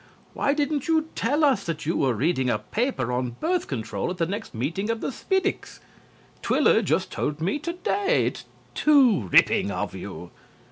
Why didn't you tell us that you were reading a paper on Birth Control at the next meeting of the Spiddix? Twiller just told me today. It's too ripping of you!'